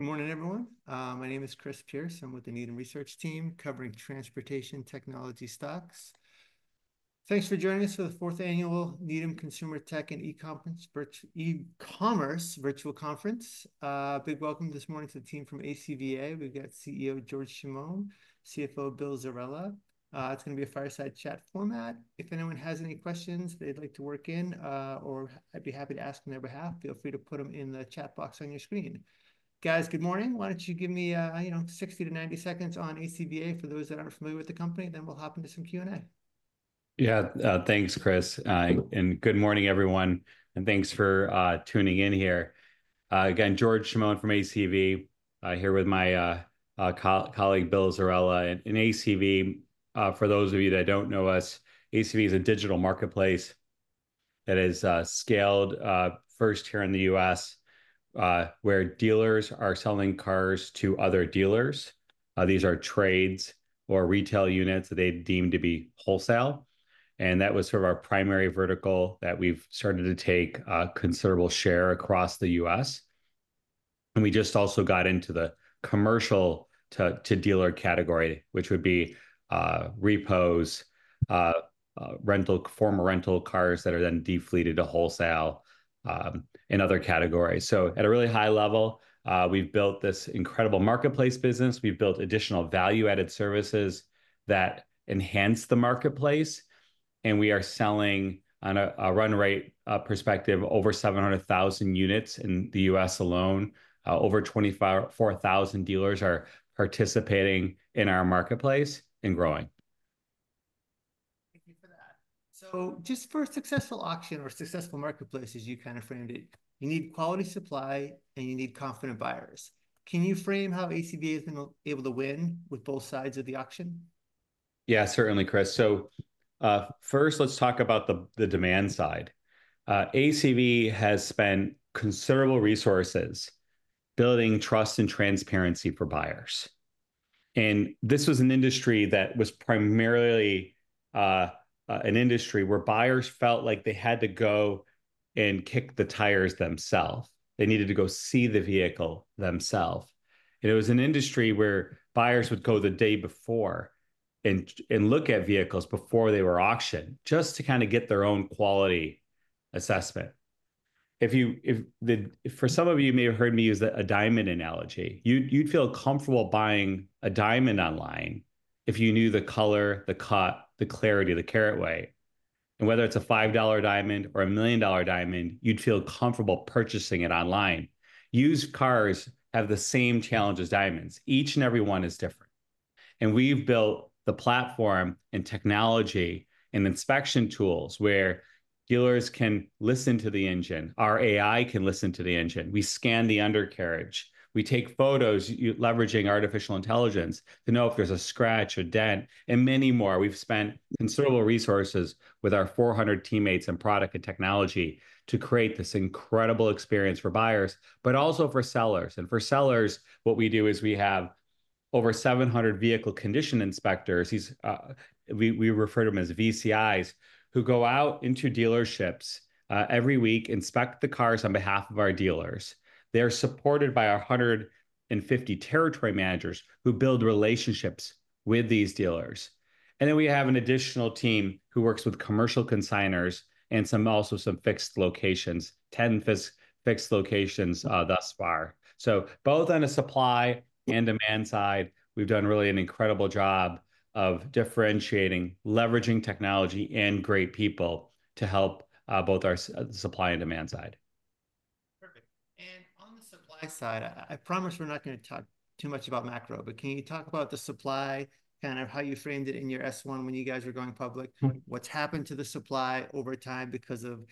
Good morning, everyone. My name is Chris Pierce. I'm with the Needham Research Team covering transportation technology stocks. Thanks for joining us for the fourth annual Needham Consumer Tech and E-Commerce Virtual Conference. Big welcome this morning to the team from ACV. We've got CEO George Chamoun, CFO Bill Zerella. It's going to be a fireside chat format. If anyone has any questions they'd like to work in, or I'd be happy to ask on their behalf, feel free to put them in the chat box on your screen. Guys, good morning. Why don't you give me, you know, 60-90 seconds on ACV for those that aren't familiar with the company? Then we'll hop into some Q&A. Yeah, thanks, Chris. And good morning, everyone. And thanks for tuning in here. Again, George Chamoun from ACV here with my colleague Bill Zerella. And ACV, for those of you that don't know us, ACV is a digital marketplace that is scaled first here in the U.S., where dealers are selling cars to other dealers. These are trades or retail units that they deem to be wholesale. And that was sort of our primary vertical that we've started to take a considerable share across the U.S. And we just also got into the commercial-to-dealer category, which would be repos, former rental cars that are then defleeted to wholesale and other categories. So at a really high level, we've built this incredible marketplace business. We've built additional value-added services that enhance the marketplace. And we are selling, on a run rate perspective, over 700,000 units in the U.S. alone. Over 24,000 dealers are participating in our marketplace and growing. Thank you for that. So just for a successful auction or a successful marketplace, as you kind of framed it, you need quality supply and you need confident buyers. Can you frame how ACV has been able to win with both sides of the auction? Yeah, certainly, Chris. So first, let's talk about the demand side. ACV has spent considerable resources building trust and transparency for buyers. And this was an industry that was primarily an industry where buyers felt like they had to go and kick the tires themselves. They needed to go see the vehicle themselves. And it was an industry where buyers would go the day before and look at vehicles before they were auctioned just to kind of get their own quality assessment. For some of you, you may have heard me use a diamond analogy. You'd feel comfortable buying a diamond online if you knew the color, the cut, the clarity, the carat weight. And whether it's a $5 diamond or a million-dollar diamond, you'd feel comfortable purchasing it online. Used cars have the same challenge as diamonds. Each and every one is different. And we've built the platform and technology and inspection tools where dealers can listen to the engine. Our AI can listen to the engine. We scan the undercarriage. We take photos leveraging artificial intelligence to know if there's a scratch or dent and many more. We've spent considerable resources with our 400 teammates in product and technology to create this incredible experience for buyers, but also for sellers. And for sellers, what we do is we have over 700 vehicle condition inspectors. We refer to them as VCIs, who go out into dealerships every week, inspect the cars on behalf of our dealers. They're supported by our 150 territory managers who build relationships with these dealers. And then we have an additional team who works with commercial consignors and also some fixed locations, 10 fixed locations thus far. So both on the supply and demand side, we've done really an incredible job of differentiating, leveraging technology and great people to help both our supply and demand side. Perfect. And on the supply side, I promise we're not going to talk too much about macro, but can you talk about the supply, kind of how you framed it in your S-1 when you guys were going public? What's happened to the supply over time because of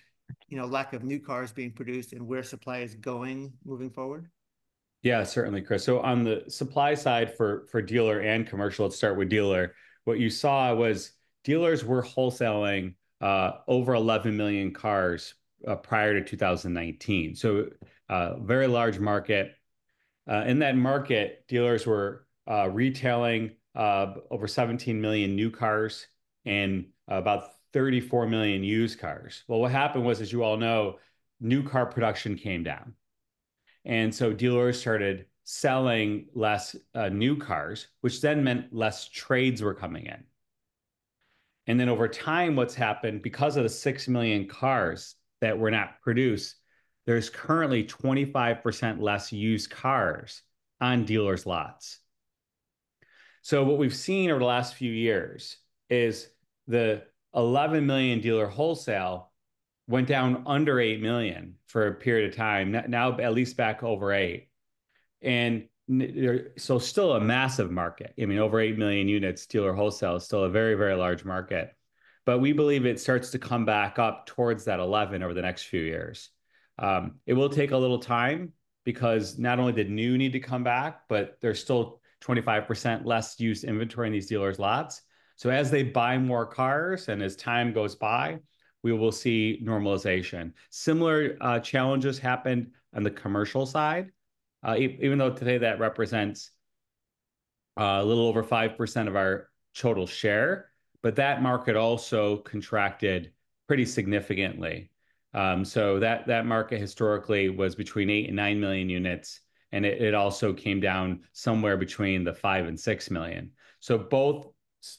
lack of new cars being produced and where supply is going moving forward? Yeah, certainly, Chris. So on the supply side for dealer and commercial, let's start with dealer. What you saw was dealers were wholesaling over 11 million cars prior to 2019. So very large market. In that market, dealers were retailing over 17 million new cars and about 34 million used cars. Well, what happened was, as you all know, new car production came down. And so dealers started selling less new cars, which then meant less trades were coming in. And then over time, what's happened because of the 6 million cars that were not produced, there's currently 25% less used cars on dealers' lots. So what we've seen over the last few years is the 11 million dealer wholesale went down under 8 million for a period of time, now at least back over 8. And so still a massive market. I mean, over 8 million units dealer wholesale is still a very, very large market. But we believe it starts to come back up towards that 11 over the next few years. It will take a little time because not only did new need to come back, but there's still 25% less used inventory in these dealers' lots. So as they buy more cars and as time goes by, we will see normalization. Similar challenges happened on the commercial side, even though today that represents a little over 5% of our total share, but that market also contracted pretty significantly. So that market historically was between 8 and 9 million units, and it also came down somewhere between the 5 and 6 million. So both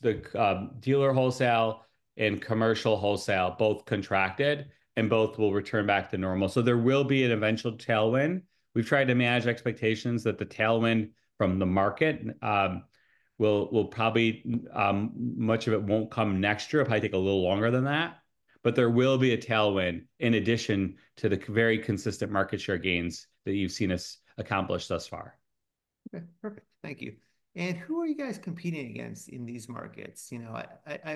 the dealer wholesale and commercial wholesale both contracted and both will return back to normal. So there will be an eventual tailwind. We've tried to manage expectations that the tailwind from the market will probably much of it won't come next year, probably take a little longer than that. But there will be a tailwind in addition to the very consistent market share gains that you've seen us accomplish thus far. Okay, perfect. Thank you. And who are you guys competing against in these markets? You know,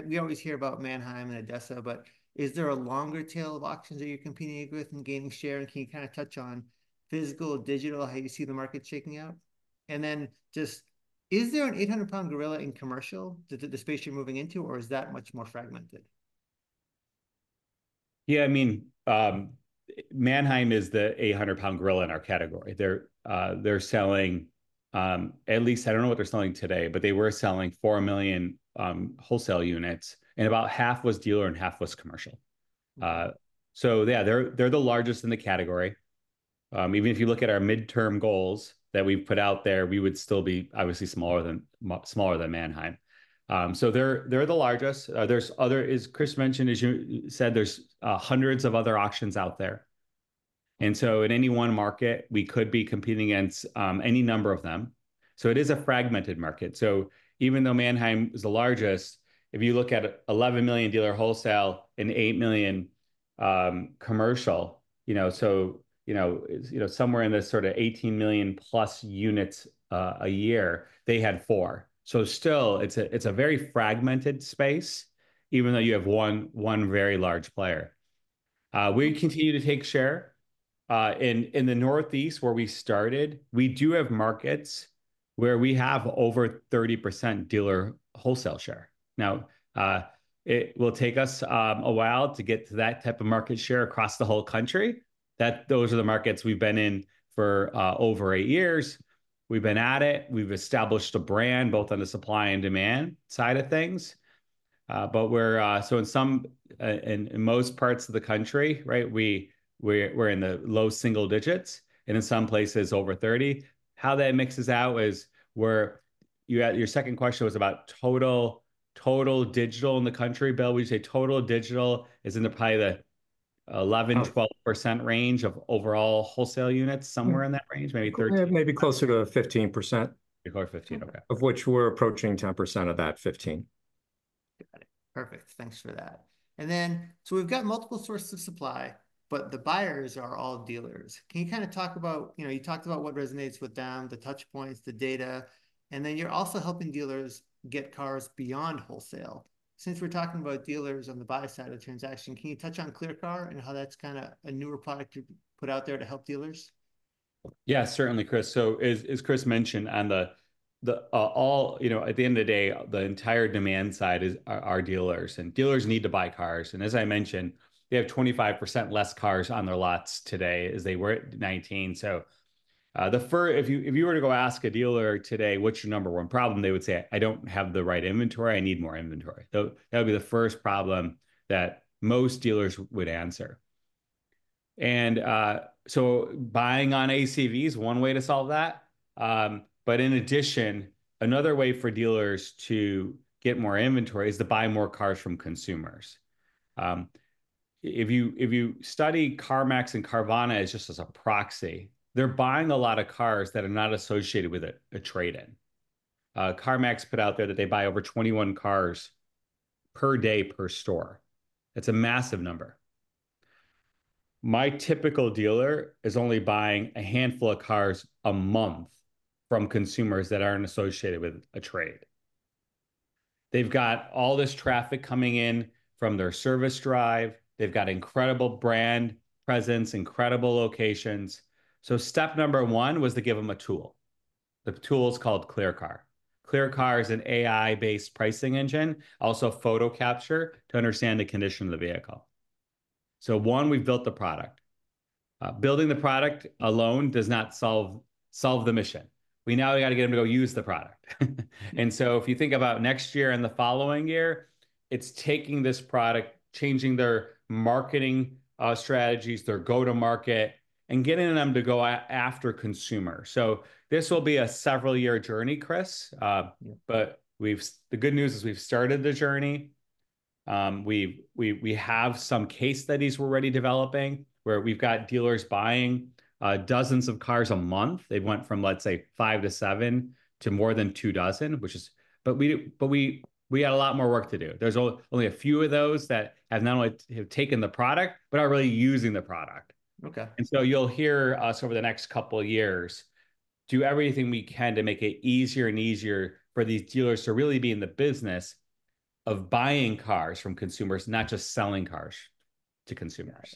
we always hear about Manheim and ADESA, but is there a longer tail of auctions that you're competing with and gaining share? And can you kind of touch on physical, digital, how you see the market shaking out? And then just, is there an 800-pound gorilla in commercial? Is it the space you're moving into, or is that much more fragmented? Yeah, I mean, Manheim is the 800-pound gorilla in our category. They're selling, at least I don't know what they're selling today, but they were selling 4 million wholesale units, and about half was dealer and half was commercial. So yeah, they're the largest in the category. Even if you look at our midterm goals that we've put out there, we would still be obviously smaller than Manheim. So they're the largest. There's other, as Chris mentioned, as you said, there's hundreds of other auctions out there. And so in any one market, we could be competing against any number of them. So it is a fragmented market. So even though Manheim is the largest, if you look at 11 million dealer wholesale and 8 million commercial, you know, so you know somewhere in this sort of 18 million plus units a year, they had four. So still, it's a very fragmented space, even though you have one very large player. We continue to take share. In the Northeast, where we started, we do have markets where we have over 30% dealer wholesale share. Now, it will take us a while to get to that type of market share across the whole country. Those are the markets we've been in for over eight years. We've been at it. We've established a brand both on the supply and demand side of things. But we're so new in some and in most parts of the country, right? We're in the low single digits, and in some places over 30%. How that mixes out is where your second question was about total digital in the country, Bill. Would you say total digital is in the probably 11%-12% range of overall wholesale units somewhere in that range, maybe 13%? Maybe closer to 15%. Maybe closer to 15, okay. Of which we're approaching 10% of that 15. Got it. Perfect. Thanks for that. And then, so we've got multiple sources of supply, but the buyers are all dealers. Can you kind of talk about, you know, you talked about what resonates with them, the touchpoints, the data, and then you're also helping dealers get cars beyond wholesale. Since we're talking about dealers on the buy side of the transaction, can you touch on ClearCar and how that's kind of a newer product you put out there to help dealers? Yeah, certainly, Chris. So as Chris mentioned, overall, you know, at the end of the day, the entire demand side is our dealers, and dealers need to buy cars. And as I mentioned, they have 25% less cars on their lots today as they were at 2019. So if you were to go ask a dealer today, "What's your number one problem?" they would say, "I don't have the right inventory. I need more inventory." That would be the first problem that most dealers would answer. And so buying on ACV is one way to solve that. But in addition, another way for dealers to get more inventory is to buy more cars from consumers. If you study CarMax and Carvana just as a proxy, they're buying a lot of cars that are not associated with a trade-in. CarMax put out there that they buy over 21 cars per day per store. That's a massive number. My typical dealer is only buying a handful of cars a month from consumers that aren't associated with a trade. They've got all this traffic coming in from their service drive. They've got incredible brand presence, incredible locations. So step number one was to give them a tool. The tool is called ClearCar. ClearCar is an AI-based pricing engine, also photo capture to understand the condition of the vehicle. So one, we've built the product. Building the product alone does not solve the mission. We now got to get them to go use the product. And so if you think about next year and the following year, it's taking this product, changing their marketing strategies, their go-to-market, and getting them to go after consumers. This will be a several-year journey, Chris. The good news is we've started the journey. We have some case studies we're already developing where we've got dealers buying dozens of cars a month. They went from, let's say, five to seven to more than two dozen, which is, but we had a lot more work to do. There's only a few of those that have not only taken the product, but are really using the product. You'll hear us over the next couple of years do everything we can to make it easier and easier for these dealers to really be in the business of buying cars from consumers, not just selling cars to consumers.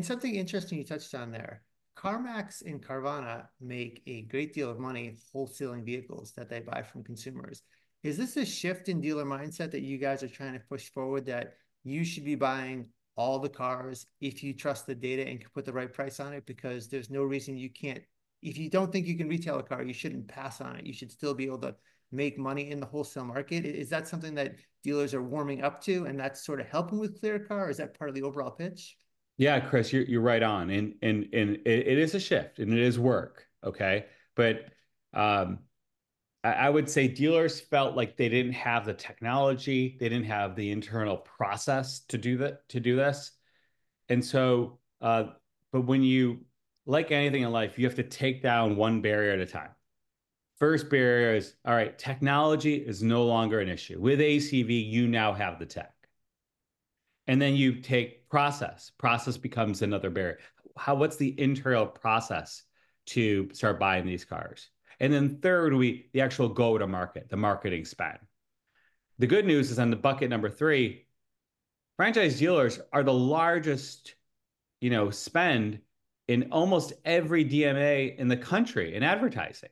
Something interesting you touched on there, CarMax and Carvana make a great deal of money wholesaling vehicles that they buy from consumers. Is this a shift in dealer mindset that you guys are trying to push forward that you should be buying all the cars if you trust the data and can put the right price on it because there's no reason you can't? If you don't think you can retail a car, you shouldn't pass on it. You should still be able to make money in the wholesale market. Is that something that dealers are warming up to and that's sort of helping with ClearCar? Is that part of the overall pitch? Yeah, Chris, you're right on. And it is a shift and it is work, okay? But I would say dealers felt like they didn't have the technology. They didn't have the internal process to do this. And so, but when you, like anything in life, you have to take down one barrier at a time. First barrier is, all right, technology is no longer an issue. With ACV, you now have the tech. And then you take process. Process becomes another barrier. What's the internal process to start buying these cars? And then third, the actual go-to-market, the marketing spend. The good news is on the bucket number three, franchise dealers are the largest, you know, spend in almost every DMA in the country in advertising.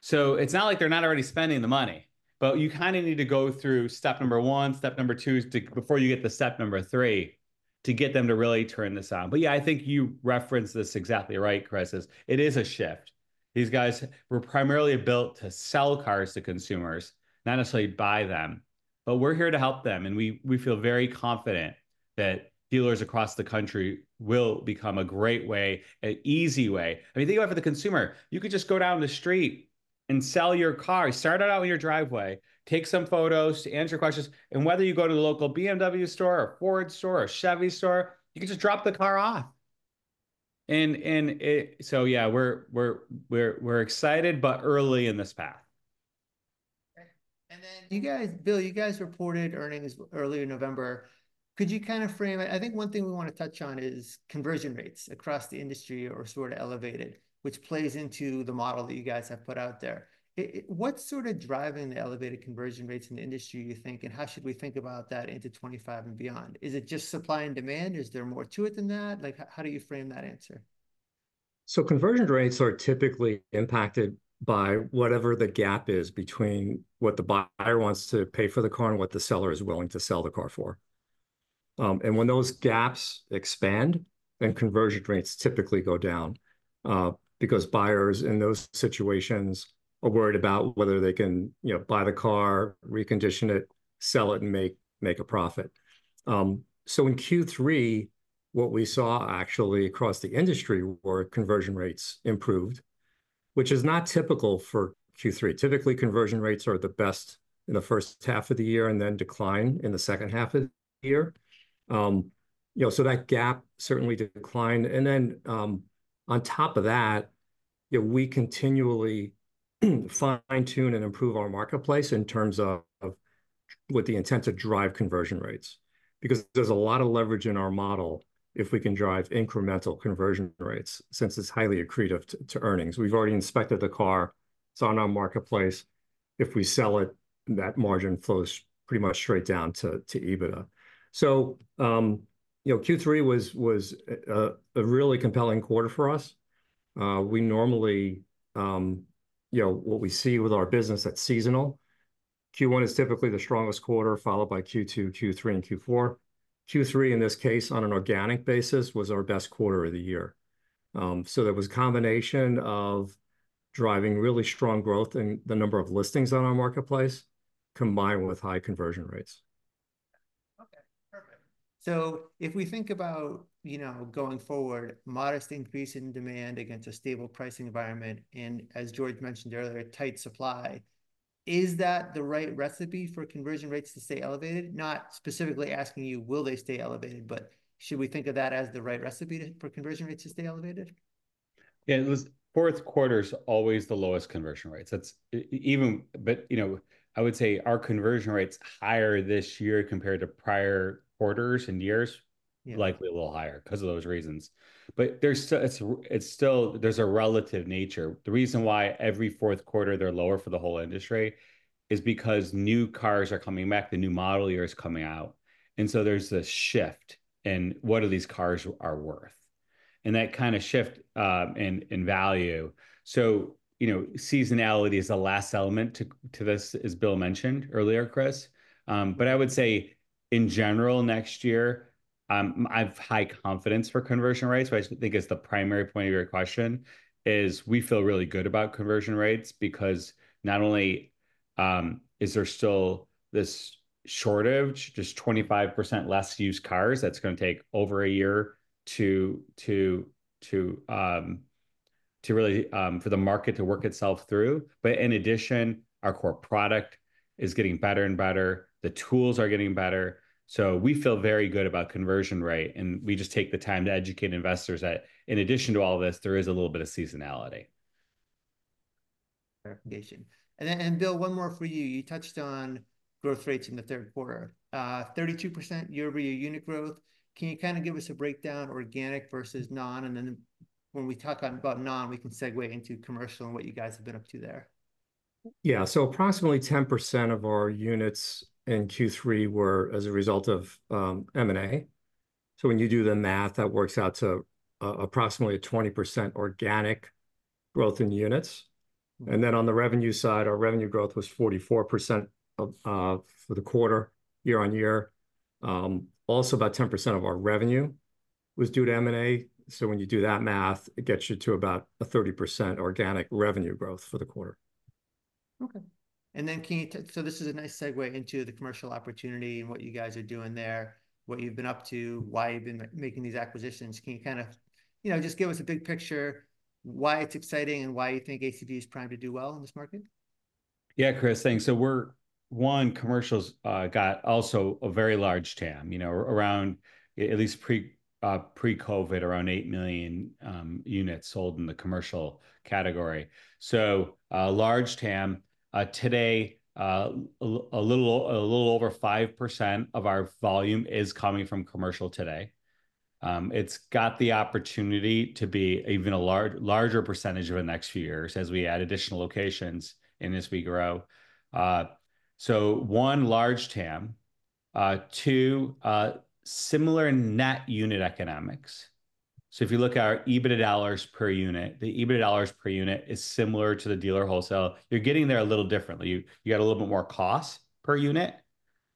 So it's not like they're not already spending the money, but you kind of need to go through step number one, step number two before you get to step number three to get them to really turn this on. But yeah, I think you referenced this exactly right, Chris. It is a shift. These guys were primarily built to sell cars to consumers, not necessarily buy them, but we're here to help them. And we feel very confident that dealers across the country will become a great way, an easy way. I mean, think about it for the consumer. You could just go down the street and sell your car. Start it out in your driveway, take some photos, answer questions. And whether you go to the local BMW store or Ford store or Chevy store, you can just drop the car off. And so yeah, we're excited, but early in this path. And then you guys, Bill, you guys reported earnings early in November. Could you kind of frame it? I think one thing we want to touch on is conversion rates across the industry are sort of elevated, which plays into the model that you guys have put out there. What's sort of driving the elevated conversion rates in the industry, you think, and how should we think about that into 2025 and beyond? Is it just supply and demand? Is there more to it than that? Like, how do you frame that answer? So conversion rates are typically impacted by whatever the gap is between what the buyer wants to pay for the car and what the seller is willing to sell the car for. And when those gaps expand, then conversion rates typically go down because buyers in those situations are worried about whether they can buy the car, recondition it, sell it, and make a profit. So in Q3, what we saw actually across the industry were conversion rates improved, which is not typical for Q3. Typically, conversion rates are the best in the first half of the year and then decline in the second half of the year. You know, so that gap certainly declined. And then on top of that, we continually fine-tune and improve our marketplace in terms of with the intent to drive conversion rates because there's a lot of leverage in our model if we can drive incremental conversion rates since it's highly accretive to earnings. We've already inspected the car. It's on our marketplace. If we sell it, that margin flows pretty much straight down to EBITDA. So, you know, Q3 was a really compelling quarter for us. We normally, you know, what we see with our business, that's seasonal. Q1 is typically the strongest quarter, followed by Q2, Q3, and Q4. Q3, in this case, on an organic basis, was our best quarter of the year. So that was a combination of driving really strong growth in the number of listings on our marketplace combined with high conversion rates. Okay, perfect. So if we think about, you know, going forward, modest increase in demand against a stable pricing environment and, as George mentioned earlier, tight supply, is that the right recipe for conversion rates to stay elevated? Not specifically asking you, will they stay elevated, but should we think of that as the right recipe for conversion rates to stay elevated? Yeah, fourth quarter is always the lowest conversion rates. That's even, but you know, I would say our conversion rates higher this year compared to prior quarters and years, likely a little higher because of those reasons. But there's still, there's a relative nature. The reason why every fourth quarter they're lower for the whole industry is because new cars are coming back, the new model year is coming out. And so there's a shift in what these cars are worth and that kind of shift in value. So, you know, seasonality is the last element to this, as Bill mentioned earlier, Chris. But I would say in general, next year, I have high confidence for conversion rates, which I think is the primary point of your question. We feel really good about conversion rates because not only is there still this shortage, just 25% less used cars. That's going to take over a year to really for the market to work itself through. But in addition, our core product is getting better and better. The tools are getting better. So we feel very good about conversion rate. And we just take the time to educate investors that in addition to all this, there is a little bit of seasonality. Verification. And then, Bill, one more for you. You touched on growth rates in the third quarter, 32% year-over-year unit growth. Can you kind of give us a breakdown, organic versus non? And then when we talk about non, we can segue into commercial and what you guys have been up to there. Yeah, so approximately 10% of our units in Q3 were as a result of M&A. So when you do the math, that works out to approximately 20% organic growth in units. And then on the revenue side, our revenue growth was 44% for the quarter year on year. Also, about 10% of our revenue was due to M&A. So when you do that math, it gets you to about a 30% organic revenue growth for the quarter. Okay. And then can you, so this is a nice segue into the commercial opportunity and what you guys are doing there, what you've been up to, why you've been making these acquisitions. Can you kind of, you know, just give us a big picture why it's exciting and why you think ACV is primed to do well in this market? Yeah, Chris, thanks. So we're, one, commercials got also a very large TAM, you know, around at least pre-COVID, around 8 million units sold in the commercial category. So a large TAM today, a little over 5% of our volume is coming from commercial today. It's got the opportunity to be even a larger percentage over the next few years as we add additional locations in as we grow. So one, large TAM. Two, similar net unit economics. So if you look at our EBITDA dollars per unit, the EBITDA dollars per unit is similar to the dealer wholesale. You're getting there a little differently. You got a little bit more cost per unit,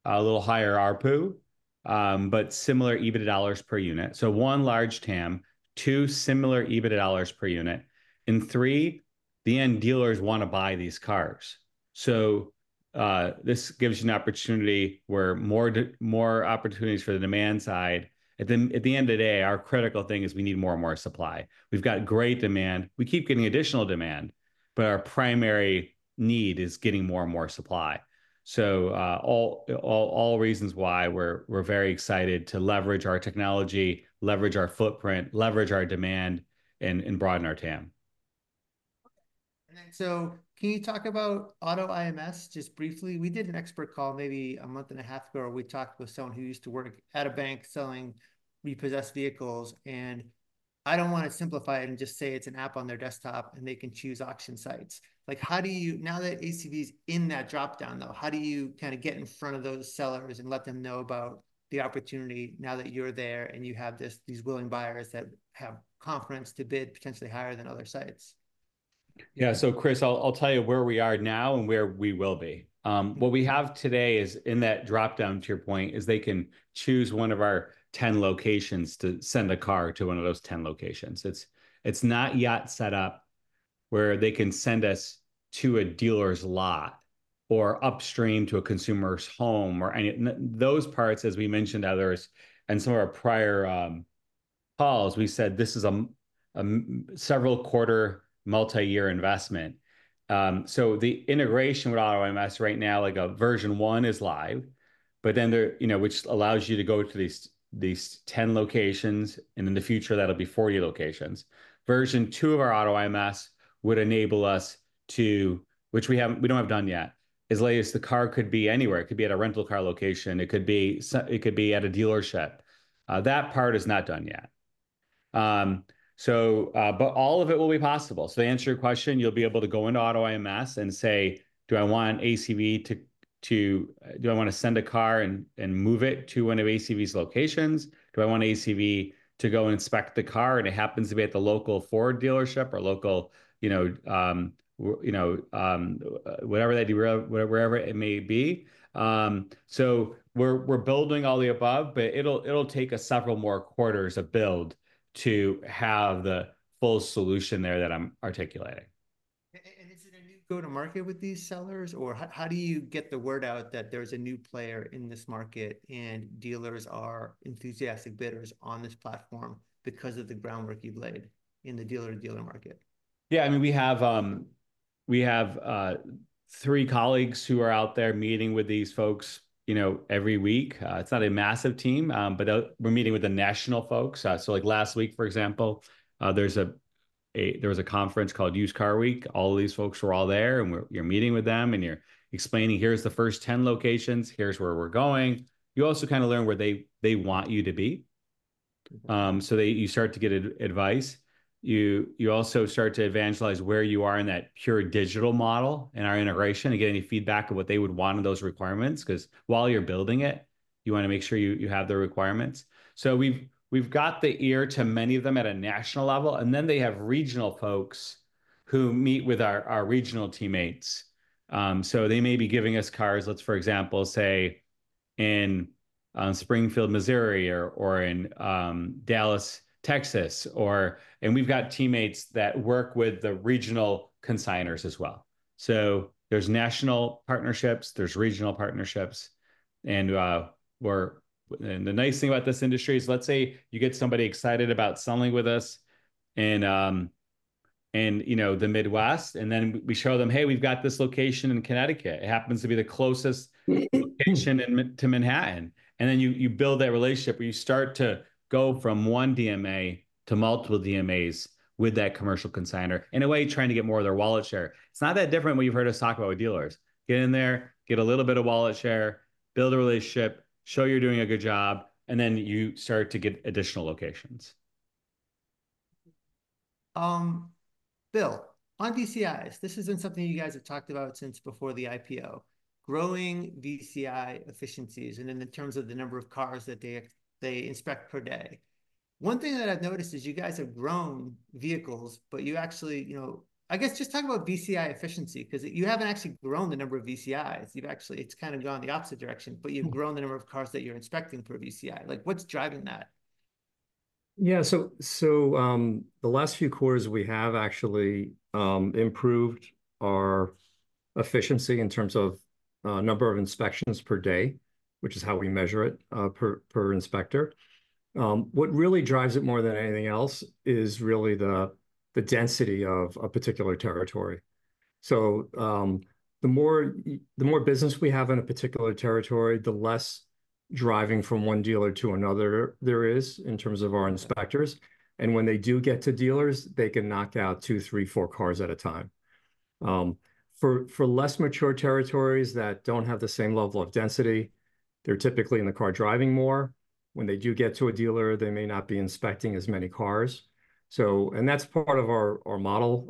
a little higher RPU, but similar EBITDA dollars per unit. So one, large TAM. Two, similar EBITDA dollars per unit. And three, the end dealers want to buy these cars. So, this gives you an opportunity where more opportunities for the demand side. At the end of the day, our critical thing is we need more and more supply. We've got great demand. We keep getting additional demand, but our primary need is getting more and more supply. So all reasons why we're very excited to leverage our technology, leverage our footprint, leverage our demand, and broaden our TAM. And then so can you talk about AutoIMS just briefly? We did an expert call maybe a month and a half ago, or we talked with someone who used to work at a bank selling repossessed vehicles. And I don't want to simplify it and just say it's an app on their desktop and they can choose auction sites. Like how do you, now that ACV is in that dropdown though, how do you kind of get in front of those sellers and let them know about the opportunity now that you're there and you have these willing buyers that have confidence to bid potentially higher than other sites? Yeah, so Chris, I'll tell you where we are now and where we will be. What we have today is in that dropdown, to your point, is they can choose one of our 10 locations to send a car to one of those 10 locations. It's not yet set up where they can send us to a dealer's lot or upstream to a consumer's home or any of those parts, as we mentioned on some of our prior calls, we said this is a several quarter multi-year investment. So the integration with AutoIMS right now, like a version one is live, but then there, you know, which allows you to go to these 10 locations and in the future that'll be 40 locations. Version two of our AutoIMS would enable us to, which we don't have done yet, so that the car could be anywhere. It could be at a rental car location. It could be at a dealership. That part is not done yet. So, but all of it will be possible. So to answer your question, you'll be able to go into AutoIMS and say, do I want ACV to, do I want to send a car and move it to one of ACV's locations? Do I want ACV to go and inspect the car and it happens to be at the local Ford dealership or local, you know, whatever that dealer, wherever it may be? So we're building all the above, but it'll take us several more quarters of build to have the full solution there that I'm articulating. Is it a new go-to-market with these sellers or how do you get the word out that there's a new player in this market and dealers are enthusiastic bidders on this platform because of the groundwork you've laid in the dealer-to-dealer market? Yeah, I mean, we have three colleagues who are out there meeting with these folks, you know, every week. It's not a massive team, but we're meeting with the national folks. So like last week, for example, there was a conference called Used Car Week. All of these folks were all there and you're meeting with them and you're explaining, here's the first 10 locations, here's where we're going. You also kind of learn where they want you to be. So you start to get advice. You also start to evangelize where you are in that pure digital model and our integration and get any feedback of what they would want in those requirements because while you're building it, you want to make sure you have the requirements. So we've got the ear to many of them at a national level and then they have regional folks who meet with our regional teammates. So they may be giving us cars, let's for example, say in Springfield, Missouri, or in Dallas, Texas, and we've got teammates that work with the regional consignors as well. So there's national partnerships, there's regional partnerships. And the nice thing about this industry is let's say you get somebody excited about selling with us in the Midwest, and then we show them, hey, we've got this location in Connecticut. It happens to be the closest location to Manhattan. And then you build that relationship where you start to go from one DMA to multiple DMAs with that commercial consignor in a way trying to get more of their wallet share. It's not that different what you've heard us talk about with dealers. Get in there, get a little bit of wallet share, build a relationship, show you're doing a good job, and then you start to get additional locations. Bill, on VCIs, this has been something you guys have talked about since before the IPO, growing VCI efficiencies and in terms of the number of cars that they inspect per day. One thing that I've noticed is you guys have grown vehicles, but you actually, you know, I guess just talk about VCI efficiency because you haven't actually grown the number of VCIs. You've actually, it's kind of gone the opposite direction, but you've grown the number of cars that you're inspecting per VCI. Like what's driving that? Yeah, so the last few quarters we have actually improved our efficiency in terms of number of inspections per day, which is how we measure it per inspector. What really drives it more than anything else is really the density of a particular territory. So the more business we have in a particular territory, the less driving from one dealer to another there is in terms of our inspectors. And when they do get to dealers, they can knock out two, three, four cars at a time. For less mature territories that don't have the same level of density, they're typically in the car driving more. When they do get to a dealer, they may not be inspecting as many cars. So, and that's part of our model.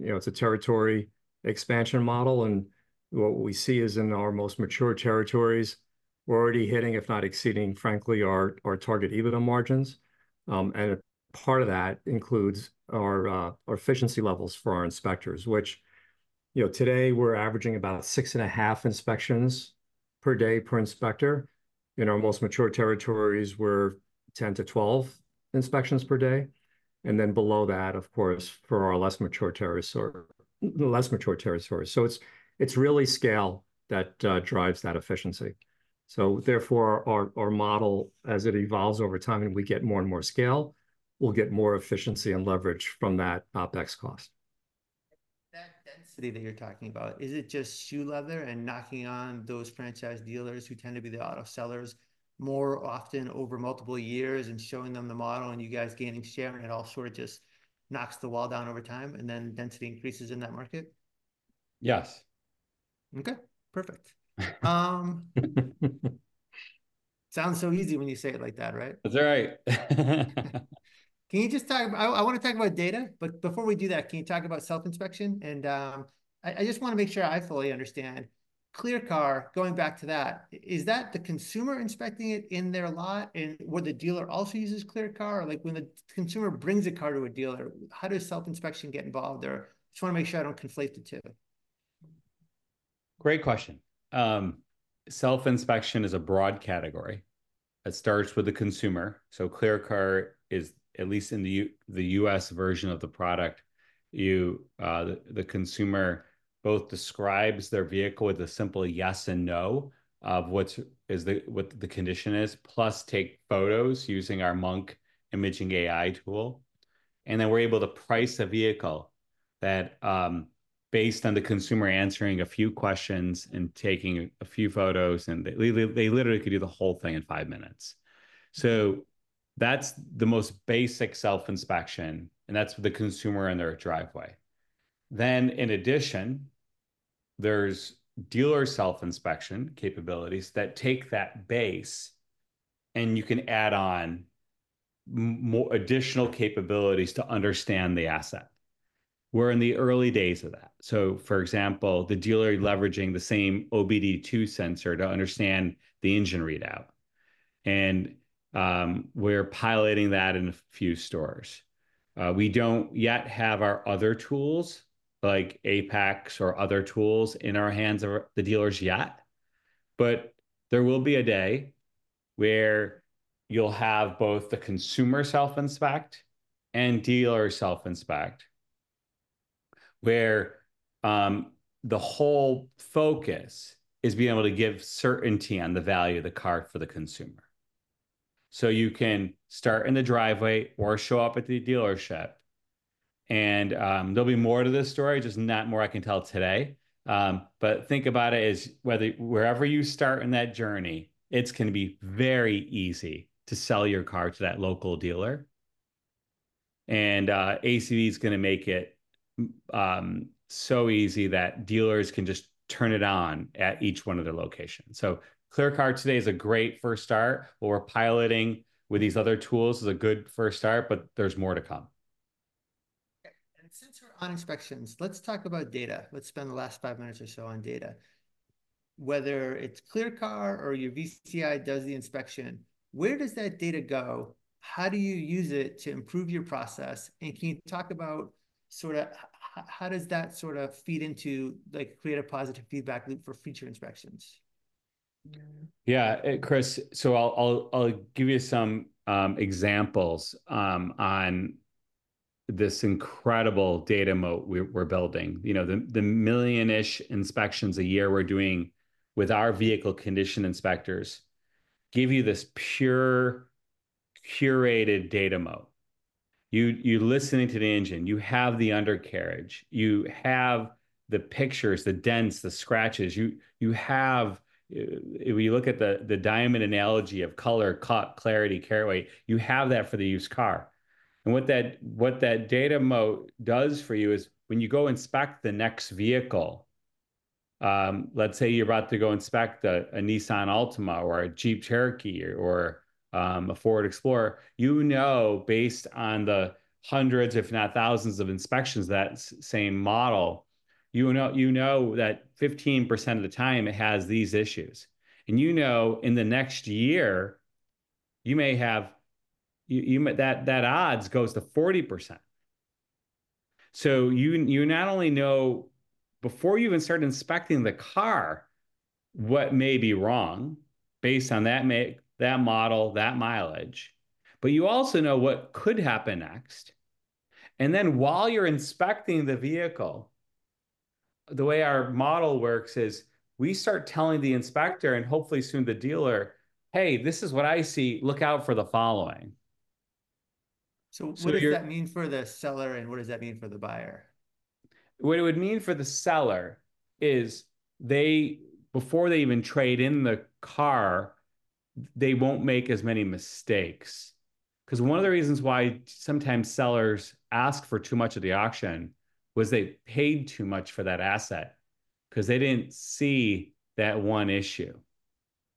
You know, it's a territory expansion model. What we see is in our most mature territories, we're already hitting, if not exceeding, frankly, our target EBITDA margins. Part of that includes our efficiency levels for our inspectors, which, you know, today we're averaging about six and a half inspections per day per inspector. In our most mature territories, we're 10 to 12 inspections per day. Then below that, of course, for our less mature territories. It's really scale that drives that efficiency. Therefore, our model, as it evolves over time and we get more and more scale, we'll get more efficiency and leverage from that OpEx cost. That density that you're talking about, is it just shoe leather and knocking on those franchise dealers who tend to be the auto sellers more often over multiple years and showing them the model and you guys gaining share and it all sort of just knocks the wall down over time and then density increases in that market? Yes. Okay, perfect. Sounds so easy when you say it like that, right? That's right. Can you just talk? I want to talk about data, but before we do that, can you talk about self-inspection? And I just want to make sure I fully understand. ClearCar, going back to that, is that the consumer inspecting it in their lot and where the dealer also uses ClearCar? Or like when the consumer brings a car to a dealer, how does self-inspection get involved there? Just want to make sure I don't conflate the two. Great question. Self-inspection is a broad category. It starts with the consumer. So ClearCar is, at least in the U.S. version of the product, the consumer both describes their vehicle with a simple yes and no of what the condition is, plus take photos using our Monk Imaging AI tool. And then we're able to price a vehicle based on the consumer answering a few questions and taking a few photos, and they literally could do the whole thing in five minutes. So that's the most basic self-inspection, and that's the consumer in their driveway. Then in addition, there's dealer self-inspection capabilities that take that base, and you can add on additional capabilities to understand the asset. We're in the early days of that. So for example, the dealer leveraging the same OBD-II sensor to understand the engine readout. And we're piloting that in a few stores. We don't yet have our other tools like Apex or other tools in the hands of the dealers yet, but there will be a day where you'll have both the consumer self-inspect and dealer self-inspect where the whole focus is being able to give certainty on the value of the car for the consumer. So you can start in the driveway or show up at the dealership, and there'll be more to this story, just not more I can tell today. But think about it as whether wherever you start in that journey, it's going to be very easy to sell your car to that local dealer. And ACV is going to make it so easy that dealers can just turn it on at each one of their locations. So ClearCar today is a great first start. We're piloting with these other tools as a good first start, but there's more to come. Since we're on inspections, let's talk about data. Let's spend the last five minutes or so on data. Whether it's ClearCar or your VCI does the inspection, where does that data go? How do you use it to improve your process? And can you talk about sort of how does that sort of feed into like create a positive feedback loop for future inspections? Yeah, Chris, so I'll give you some examples on this incredible data moat we're building. You know, the million-ish inspections a year we're doing with our vehicle condition inspectors give you this pure curated data moat. You're listening to the engine. You have the undercarriage. You have the pictures, the dents, the scratches. You have, if we look at the diamond analogy of color, cut, clarity, carat weight, you have that for the used car. And what that data moat does for you is when you go inspect the next vehicle, let's say you're about to go inspect a Nissan Altima or a Jeep Cherokee or a Ford Explorer, you know based on the hundreds, if not thousands of inspections of that same model, you know that 15% of the time it has these issues. And you know in the next year, you may have that odds goes to 40%. So you not only know before you even start inspecting the car what may be wrong based on that model, that mileage, but you also know what could happen next. And then while you're inspecting the vehicle, the way our model works is we start telling the inspector and hopefully soon the dealer, hey, this is what I see, look out for the following. So what does that mean for the seller and what does that mean for the buyer? What it would mean for the seller is before they even trade in the car, they won't make as many mistakes. Because one of the reasons why sometimes sellers ask for too much of the auction was they paid too much for that asset because they didn't see that one issue.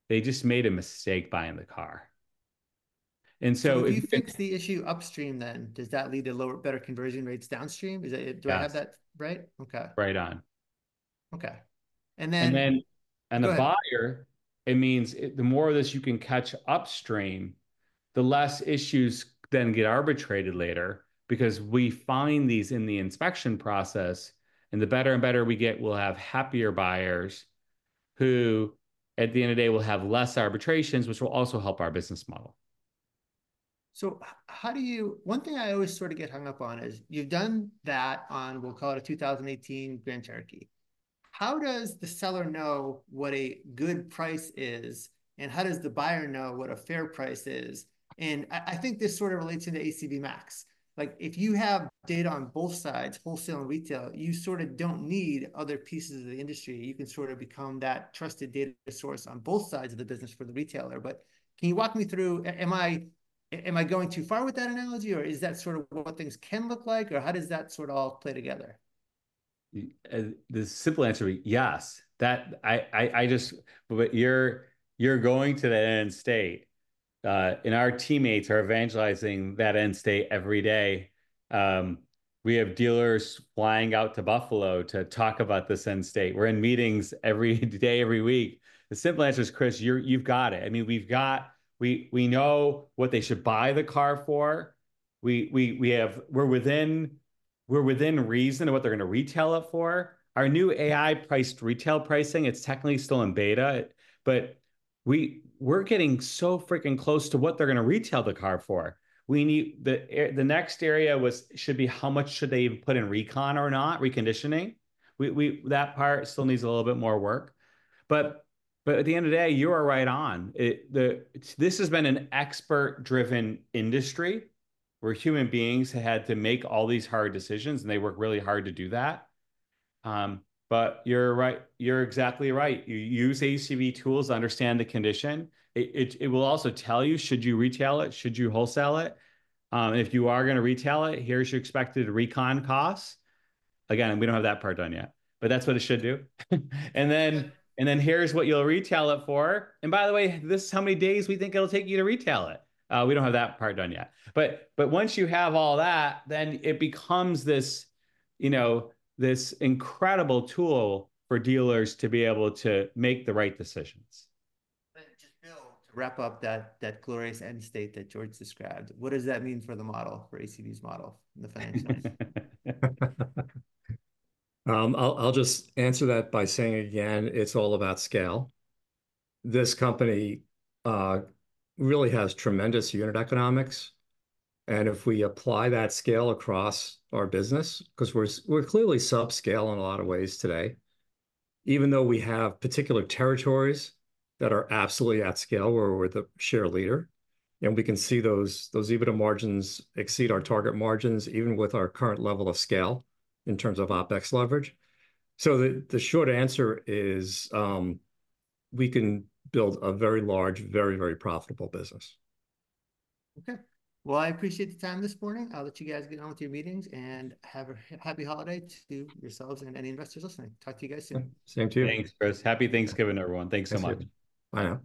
They just made a mistake buying the car. And so. If you fix the issue upstream then, does that lead to lower, better conversion rates downstream? Do I have that right? Right on. Okay. And then. And then on the buyer, it means the more of this you can catch upstream, the less issues then get arbitrated later because we find these in the inspection process. And the better and better we get, we'll have happier buyers who at the end of the day will have less arbitrations, which will also help our business model. So, how do you? One thing I always sort of get hung up on is you've done that on, we'll call it a 2018 Grand Cherokee. How does the seller know what a good price is and how does the buyer know what a fair price is? And I think this sort of relates into ACV MAX. Like if you have data on both sides, wholesale and retail, you sort of don't need other pieces of the industry. You can sort of become that trusted data source on both sides of the business for the retailer. But can you walk me through? Am I going too far with that analogy or is that sort of what things can look like or how does that sort of all play together? The simple answer would be yes, but you're going to that end state. And our teammates are evangelizing that end state every day. We have dealers flying out to Buffalo to talk about this end state. We're in meetings every day, every week. The simple answer is, Chris, you've got it. I mean, we've got, we know what they should buy the car for. We're within reason of what they're going to retail it for. Our new AI priced retail pricing, it's technically still in beta, but we're getting so freaking close to what they're going to retail the car for. The next area should be how much should they put in recon or not, reconditioning. That part still needs a little bit more work, but at the end of the day, you are right on. This has been an expert-driven industry where human beings had to make all these hard decisions and they work really hard to do that. But you're exactly right. You use ACV tools to understand the condition. It will also tell you, should you retail it, should you wholesale it. If you are going to retail it, here's your expected recon cost. Again, we don't have that part done yet, but that's what it should do, and then here's what you'll retail it for, and, by the way, this is how many days we think it'll take you to retail it. We don't have that part done yet, but once you have all that, then it becomes this incredible tool for dealers to be able to make the right decisions. Just Bill, to wrap up that glorious end state that George described, what does that mean for the model, for ACV's model in the financial? I'll just answer that by saying again, it's all about scale. This company really has tremendous unit economics. And if we apply that scale across our business, because we're clearly subscale in a lot of ways today, even though we have particular territories that are absolutely at scale where we're the share leader, and we can see those EBITDA margins exceed our target margins even with our current level of scale in terms of OpEx leverage. So the short answer is we can build a very large, very, very profitable business. Okay. Well, I appreciate the time this morning. I'll let you guys get on with your meetings and have a happy holiday to yourselves and any investors listening. Talk to you guys soon. Same to you. Thanks, Chris. Happy Thanksgiving, everyone. Thanks so much. Bye now.